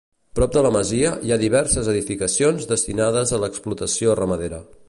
Prop de la masia hi ha diverses edificacions destinades a l’explotació ramadera.